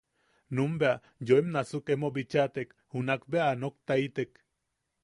Numun bea yoim nasuk emo bichatek, junak bea a noktaitine.